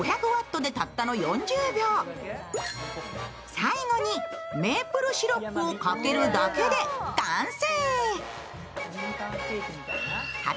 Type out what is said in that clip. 最後にメープルシロップをかけるだけで完成。